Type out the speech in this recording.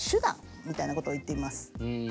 うん。